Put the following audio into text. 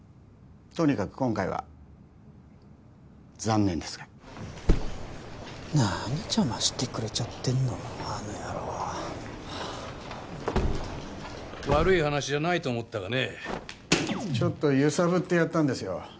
とにかく今回は残念ですが何邪魔してくれちゃってんのあの野郎悪い話じゃないと思ったがねちょっと揺さぶってやったんですよ